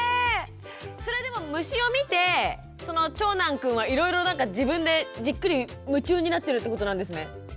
それでも虫を見てその長男くんはいろいろなんか自分でじっくり夢中になってるってことなんですね？